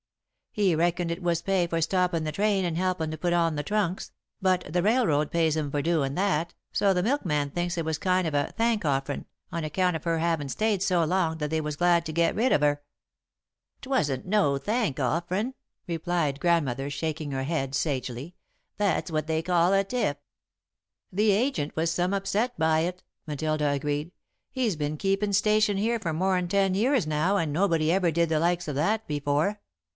He reckoned it was pay for stoppin' the train and helpin' to put on the trunks, but the railroad pays him for doin' that, so the milkman thinks it was kind of a thank offerin', on account of her havin' stayed so long that they was glad to get rid of her." [Sidenote: A Tip] "'Twasn't no thank offerin'," replied Grandmother, shaking her head sagely. "That's what they call a tip." "The agent was some upset by it," Matilda agreed. "He's been keepin' station here for more'n ten years now and nobody ever did the likes of that before."